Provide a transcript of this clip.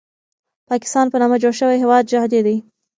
پاکستان په نامه جوړ شوی هېواد جعلي دی.